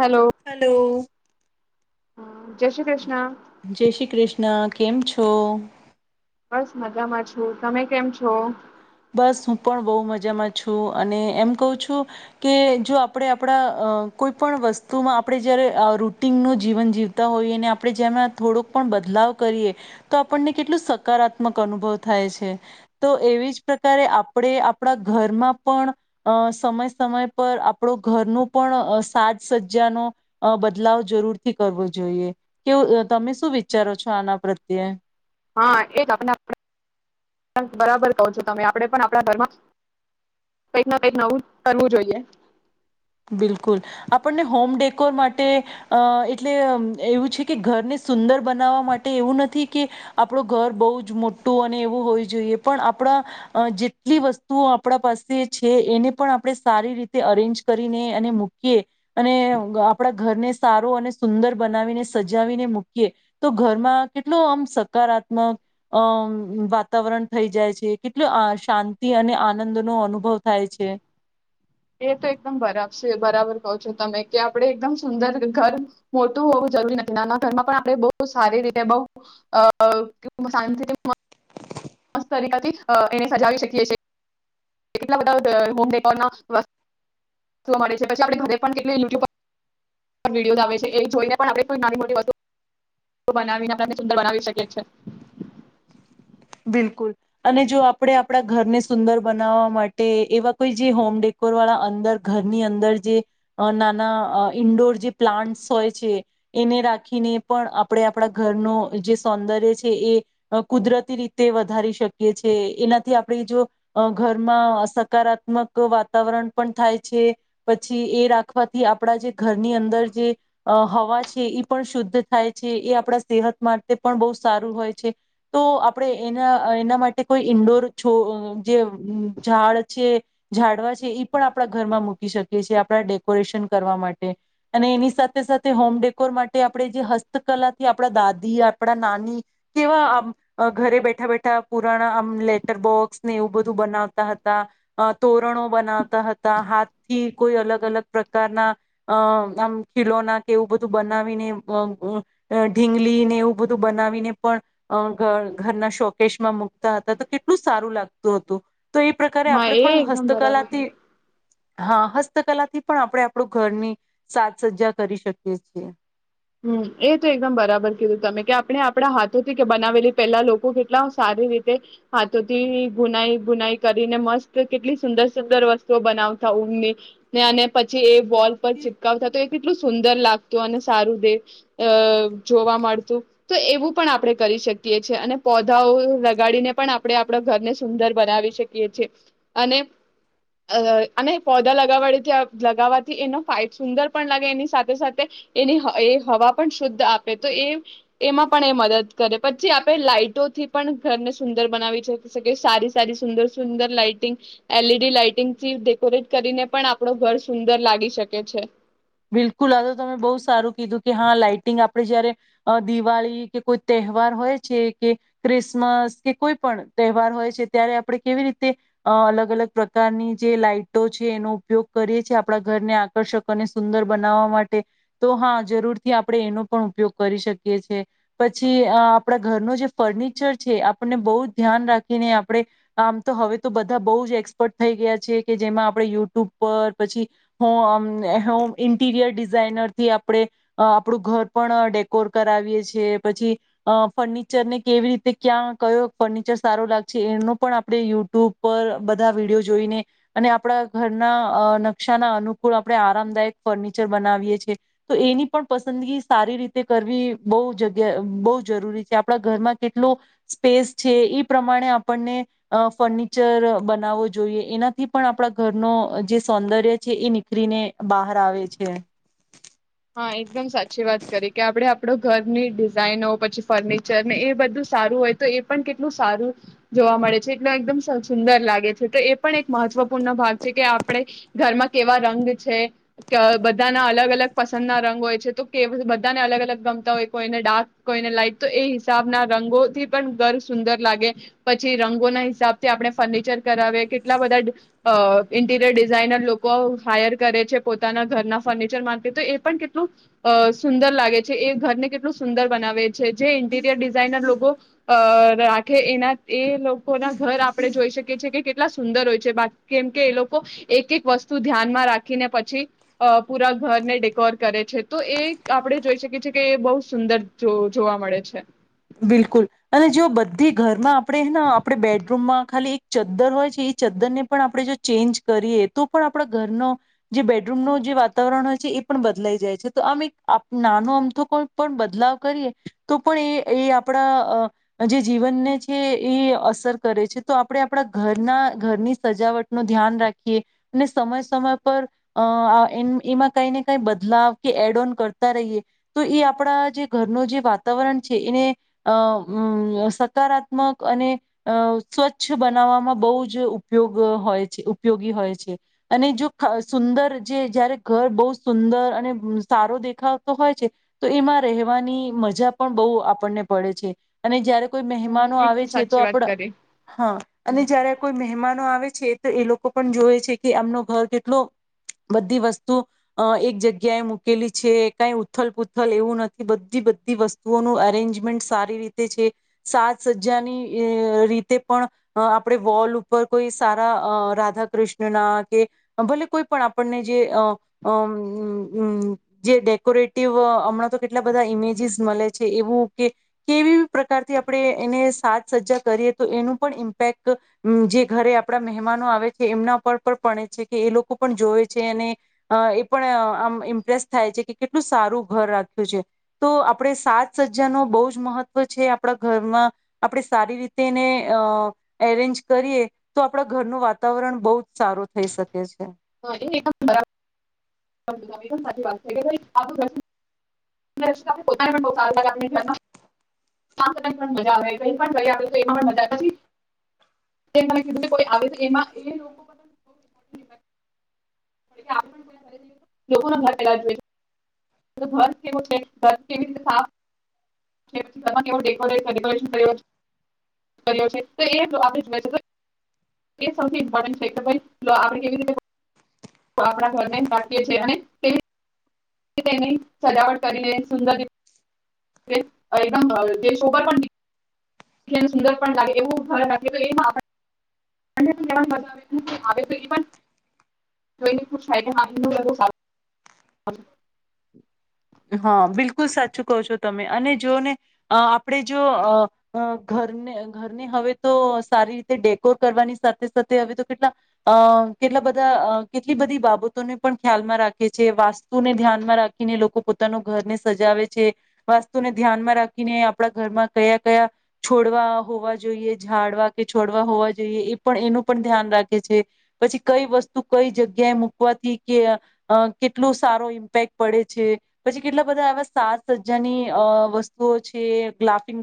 Hello hello. જય શ્રી કૃષ્ણ જય શ્રી કૃષ્ણ કેમ છો. છો બસ મજામાં છું તમે કેમ છો. બસ હું પણ બહુ મજામાં છું અને એમ કહું છું કે જો આપણે આપણા કોઈ પણ વસ્તુમાં આપણે જયારે રૂટીનનું જીવન જીવતા હોઈએ ને આપણે જેમાં થોડોક પણ બદલાવ કરીએ તો આપણને કેટલું સકારાત્મક અનુભવ થાય છે તો એવી જ. પ્રકારે આપણે આપણા ઘરમાં પણ અ સમય સમય પર આપણો ઘરનું પણ સાજ સજ્જાનો બદલાવ જરૂરથી કરવો જોઈએ કેવ તમે શું વિચારો છો આના પ્રત્યે. હા એ આપ બરાબર કહો છો તમે આપણેે પણ આપણા ઘરમાં કઈક ના કંઈક નવું કરવું જોઈએ. બિલકુલ આપણને હોમ ડેકોર માટે અ એટલે એવું છે કે ઘરને સુંદર બનાવવા માટે એવું નથી કે આપણું ઘર બહુ જ મોટું અને એવું હોય જોઈએ પણ આપણા જેટલી વસ્તુઓ આપણા પાસે છે એને પણ આપણે સારી રીતે અરેન્જ. કરીને અને મૂકીએ અને આપણા ઘરને સારો અને સુંદર બનાવીને સજાવીને મૂકીએ તો ઘરમાં કેટલોું આમ સકારાત્મક અમ વાતાવરણ થઈ જાય છે કેટલ શાંતિ અને આનંદ નો અનુભવ થાય છે. એ તો એકદમ બરાબ છે બરાબર કહ છો તમે કે આપડે એકદમ સુંદર ઘર મોટું હોવું જરૂરી નથી નાના ઘરમાં પણ આપડે બહુ સારી રીતે બઉ શાંતિ. [unintelligible] ને સજાવી શકીએી છે કેટલા બધા હોમ ડેકોરે ના જોવા મળે છે પછી આપે ઘરે પણ કેટલી યુટ્યુબ વિડીયોઝ આવે છે એ જોઈને પણ આપણે નાની મોટી વસ્તુ તો બનાવીને આપને સુંદર બનાવી શકી છે. બિલકુલ અને જો આપણે આપણા ઘરને સુંદર બનાવવા માટે એવા કોઈ જે હોમ ડેકોર વાળા અંદર ઘરની અંદર જે નાના ઈન્ડોર જે પ્લાન્ટસ હોય છે એને રાખીને પણ આપણે આપણા ઘરનું જે સૌંદર્ય છે એ કુદરતી રીતે તે વધારી શકીએ છે. એનાથી આપણે જો ઘરમાં સકારાત્મક વાતાવરણ પણ થાય છે. પછી એ રાખવાથી આપણા જે ઘરની અંદર જે હવા છે એ પણ શુદ્ધ થાય છે. એ આપણા સેહત માટે પણ બહુ સારું હોય છે. તો આપણે એના એના માટે કોઈ ઈન્ડોર છો જે ઝાડ છે ઝાડવા છે એ પણ આપણા ઘરમાં મૂકી શકીએ છીએ આપણા ડેકોરેશન કરવા માટે અને એની સાથે સાથે હોમ ડેકોર માટે આપણે જે હસ્તકલાથી આપણા દાદી આપણા નાની કેવા આમ અ ઘરે બેઠા બેઠા પુરાણા આમ લેટર બોક્સ ને એવું બધું બનાવતા હતા અ તોરણો બનાવતા હતા હાથથી કોઈ અલગ અલગ પ્રકારના અ આમ ખીલોના કે એવું બધું બનાવીને અ અ ઢીંગલી ને એવું બધું બનાવીને પણ અ ઘ ઘરના શોકેશમાં મુકતા હતા તો કેટલું સારું લાગતું હતું. તો એ પ્રકારે હા આપે એ પણ એકદમ બરાબર કીધું. હસ્તકલાથી હા હસ્તકલાથી પણ આપણે આપણું ઘરની સાજ સજ્જા કરી શકીએ છીએ. હમ્મ એ તો એકદમ બરાબર કીધું તમે કે આપણે આપણા હાથોથી કે બનાવેલી પેલા લોકો કેટલા સારી રીતે હાથોથી ગુનાઈ ગુનાઈ કરીને મસ્ત કેટલી સુંદર સુંદર વસ્તુઓ બનાવતા ઊંમની ને અને પછી એ વોલ પર ચિપકાવતા તો એ કેટલું સુંદર લાગ. તો અને સારું. તે અ જોવા મળતું તો એવું પણ આપણે કરી શકીએ છીએ અને પૌધાઓ લગાડીને પણ આપણે આપણા ઘરને સુંદર બનાવી શકીએ છીએ. અને અ અને પધા લગા લગાવવાથી એનો ફઇટ સુંદર પણ લાગે એની સાથે સાથે એની હ એ હવા પણ શુદ્ધ આપે તો એ એમાં પણ એ મદદ કરે. પછી આપે લાાઈટોથી પણ ઘરને સુંદર બનાવી શકી સારી સારી સુંદર સુંદર લાાઈટિંગ એલ ઈ ડી લાાઈટિંગથી ડેકોરેટ કરીને પણ આપણો ઘર સુંદર લાગી શકે છે. બિલકુલ આ તો તમે બહુ સારું કીધું કે હા લાાઈટિંગ આપણે જયારે દિવાળી કે કોઈ તહેવાર હોય છે કે ક્રિસમસ કે કોઈ પણ તહેવાર હોય છે ત્યારે આપણે કેવી રીતે અ અલગ અલગ પ્રકારની જે લાઈટો છે એનો ઉપયોગ કરીએ છીએ આપણા ઘરને આકર્ષક અને સુંદર બનાવવા માટે તો હા જરૂરથી આપણે એનો પણ ઉપયોગ કરી શકીએ છે. પછી આપણા ઘરનો જે ફર્નિચર છે આપણને બહુ જ ધ્યાન રાખીને આપણે આમ તો હવે તો બધા બહુ જ એક્સપર્ટ થઈ ગયા છે કે જેમાં આપણે યુટ્યુબ પર પછી હો આમ ઇન્ટીરિયર ડિઝાઇનરથી આપણે આપણું ઘર પણ ડેકોર કરાવીએ છીએ પછી અ ફર્નિચરને કેવી રીતે ક્યાં કયો ફર્નિચર સારો લાગશે એનો પણ આપણે યુટ્યુબ પર બધા વિડીયો જોઈને અને આપણા ઘરના અ નકશાના અનુકૂળ આપણે આરામદાયક ફર્નિચર બનાવીએ છે તો એનિ પન પસંદગી સારી રીતે કરવી બોવ જગ્યા બોવ જરૂરી છે. આપણા ઘરમાં કેટલો સ્પેસ છે, ઈ પ્રમાણે આપને અ ફર્નિચર બનાવવું જોઈએ. એનાથી પણ આપણા ઘરની જે સૌદર્ય છે એ નિખરીને બા બહાર આવે છે. હા એકદમ સાચી વાત કરી કે આપડણે આપણો ઘરની ડિઝાઇનો પછી ફર્નિચર ને એ બધું સારું હોય તો એ પણ કેટલું સારું જોવા મળે છે એટલ એકદમ સુંદર લાગે છે તો એ પણ એક મહત્વપૂર્ણ ભાગ છે કે આપણે ઘરમાં કેવા રંગ છે ક બધાના અલગ અલગ પસં ના રંગ હોય છે તો કે બધાને અલગ અલગ ગમતા હોય કોઈને ડાર્ક, કોઈને લાાઈટ તો એ હિસાબના રંગોથી પણ ઘર સુંદર લાગે પછી રંગોના હિસાબથી આપણે ફર્નિચર કરાવે કેટલા બધા અ ઇન્ટિરિયર ડિઝાઇનર લોકો હાયર કરે છે પોતાના ઘરના ફર્નિચરમાં તો એ પણ કેટલું અ સુંદર લાગે છે. એ ઘરને કેટલું સુંદર બનાવે. જે ઇન્ટીરિયર ડિઝાઇનર લોકો અ રા ખે એના એ લોકો ના ઘર આપડે જોઈ શકીએ છીએ કે એટલા સુંદર હોય છે કેમ કે, એ લોકો એક એક વસ્તુ ધ્યાનમાં રાખીને પછી પૂરા ઘરને ડેકોર કરે છે, તો એ આપણે જોઈ શકીએ છીએ કે એ બહુ સુંદર જો જોવા મળે છે. બિલકુલ અને જો બધી ઘરમાં આપણેેને આપણે બેડરૂમમાં ખાલી એક ચદ્દર હોય છે, એ ચદ્દરને પણ આપણે જો ચેન્જ કરીએ તો પણ આપણા ઘરનો જે બેડરૂમ ન જે વાતાવરણ હોય છે, એ પણ બદલાઈ જાય છે, તો આમ નાનો આમ તો કોઈ પણ બદલાવ કરીએ તો પણ એ એ આપણા જે જીવનને છે, એ અસર કરે છે તો આપણે આપણા ઘરના ઘરની સજાવટ ન ધ્યાન રાખીએ સમય સમય પર અ એમાં, કઈ ને કઈ બદલાવ કે એડ ઓન કરતા રહીએ તો એ આપણા જે ઘરનું જે વાતાવરણ છે એને અ સકારાત્મક અને અ સ્વચ્છ બનાવવામાં બહુ જ ઉપયોગ હોય છે ઉપયોગી હોય છે, અને જો સુંદર જે જયારે ઘર બહુ સુંદર અને સારો દેખાતો હોય છે તો એમાં રહેવાની મજા પણ બહુ આપણને પડે છે, અને જયારે કોઈ મહેમાનો એ આવે છે, તો સાચી વાત આપડ કરી. હા અને જયારે કોઈ મહેમાનો આવે છે તો એ લોકો પણ જોવે છે કે આમનો ઘર કેટલો બધી વસ્તુ એક જગ્યાએ મૂકેલી છે કઈ ઉથલ-પૂથલ એવું નથી બધી બધી વસ્ તુઓનું અરેન્જમેન્ટ સારી રીતે છે, સાત સજ્જાની રીતે પણ આપણે વોલ ઉપર કોઈ સારા રાધા કૃષ્ણના કે ભલે કોઈ પણ આપણને જે અ અ જે ડેકોરેટિવ હમણાં તો કેટલા બધા ઈમેજીસ મળે છે એ કે કેવી પ્રકારથી આપણે એને સાજ સજ્જા કરીએ તો એનું પણ ઇમ્પેક્ટ જે ઘરે આપણા મહેમાનો આવે છે એમના પર પણ પડે છે, કે એ લોકો પણ જોવે છે અને એ પણ આમ ઇમ્પ્રેસ થાય છે કે કેટલું સારું ઘર રાખ્યું છે તો આપણે સા સજા ન બહ જ મહત્વ છે આપડા ઘરમાં આપણે સારી રીતે એને અ એરેન્જ કરીએ તો આપડા ઘરનું વાતાવરણ બહુ જ સારું થઈ શકે છે. હ એ બરાબ [unintelligible] [unintelligible] લોકો ના ઘર [unintelligible] [unintelligible] તેની સજાવટ કરીને સુંદર રી એકદમ દેશોગર પણ સુંદર પણ લાગે [unintelligible] એવાગે [unintelligible] હા બિલકુલ સાચું કહો છો તમે અને જોને આપણે જો ઘરને ઘરને હવે તો સારી રીતે ડેકોર કરવાની સાથે સાથે હવે તો કેટલા અ કેટલા બધા કેટલી બધી બાબતોને પણ ખ્યાલમાં રાખે છે, વાસ્તુને ધ્યાનમાં રાખીને લોકો પો તાના ઘરને સજાવે છે વાસ્તુને ધ્યાનમાં રાખીને આપણા ઘરમાં કયા-કયા છોડવા હોવા જોઈએ, ઝાડવા કે છોડવા હોવા જોઈએ એ પણ એનું પણ ધ્યાન રાખે છે પછી કઈ વસ્તુ કઈ જગ્યાએ મૂકવાથી કે કેટલું સારો ઇમ્પેક્ટ પડે છે. પછી કેટલા બધા એવા સાસ સજ્જાની અ વસ્તુઓ છે લાફિંગ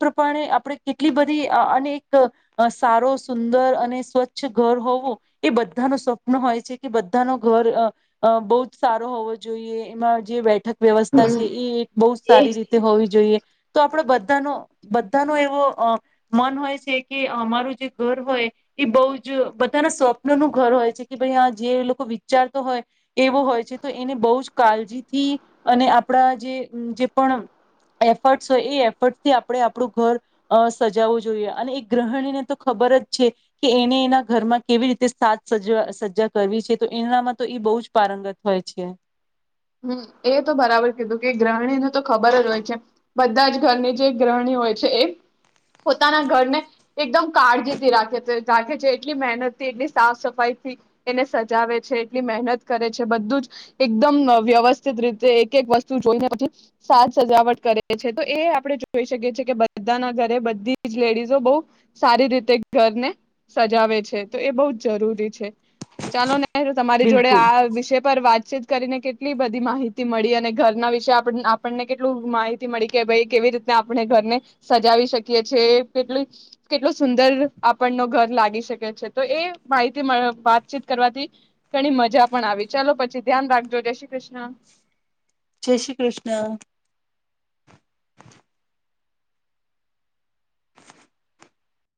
પ્રમાણે આપણે કેટલી બધી વ્યવસ્થા છે હમ ઈ બહુ એજ સારી રીતે હોવી જોઈએ તો આપડ બ તનો બધાનો એવો મન હોય છે કે અમારું જે ઘર હોય એ બહુ જ બધાના સ્વપ્નનું ઘર હોય છે કે ભાઈ આ જે લોકો વિચારતો હોય એવો હોય છે તો એને બહું જ કાળજીથી અને આપણા જે પણ એફર્ટસ હોય એ એફર્ટથી આ આપડે આપણું ઘર સજાવવું જોઈએ અને એ ગ્રહણીને તો ખબર જ છે કે એને એના ઘરમાં કેવી રીતે સાજ સજ સજા કરવી છે તો એનામાં તો એ બહુ જ પારંગત હોય છે હમ્મ એ તો બરાબર કીધું કે ગ્રહણીને તો ખબર જ હોય છે બધા જ ઘરની જે ગ્રહણી હોય છે એ પોતાના ઘરને એકદમ કાળજીથી રાખે છે રાખે જે એટલી મહેનતથી એટલી સાફ સફાઈથી એને સજાવે છે એટલી મહેનત કરે છે બધું જ એકદમ વ્યવસ્થિત રીતે એક એક વસ્તુ જોઈને પછી સાજ સજાવટ કરે છે તો એ આપણે જોઈ શકીએ છીએ કે બધાના ઘરે બધી જ લેડીઝો બહુ સારી રીતે ઘરને સજાવે છે તો એ બહુ જ જરૂરી છે ચાલો ને તમારી જોડે બિલકુલ આ વિષય પર વાતચીત કરીને કે કેટલી બધી માહિતી મળી અને ઘરના વિશે આપણને કેટલું માહિતી મળી કે ભાઈ કેવી રીતના આપણે ઘરને સજાવી શકીએ છી કેટલી કેટલું સુંદર આપણ નો ઘર લાગી શકે છે તો એ માહિતી વાતચીત કરવાથી ઘણી મજા પણ આવી ચાલો પછી ધ્યાન રાખજો જે શ્રી કૃષ્ણ જે શ્રી કૃષ્ણ